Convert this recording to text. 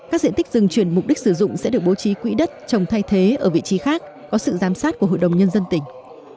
các diện tích rừng chuyển mục đích sử dụng sẽ được bố trí quỹ đất trồng thay thế ở vị trí khác có sự giám sát của hội đồng nhân dân tỉnh